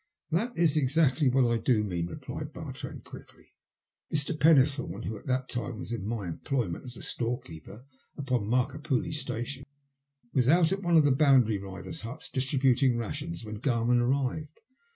''That is exactly what I do mean," replied Bartrand quickly. Mr. Pennethome, who at that time was in my employment as storekeeper upon Markapurlie Station, was out at one of the boundary riders' huts distributing rations when Garman arrived.